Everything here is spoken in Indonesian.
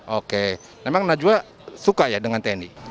oke memang najwa suka ya dengan tni